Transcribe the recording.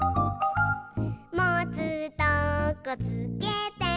「もつとこつけて」